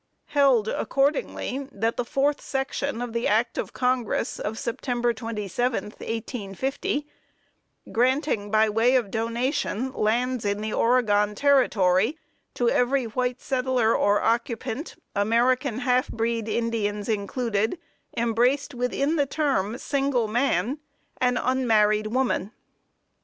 Held, accordingly, that the Fourth Section of the Act of Congress, of September 27th, 1850, granting by way of donation, lands in Oregon Territory, to every white settler or occupant, American half breed Indians included, embraced within the term single man an unmarried woman."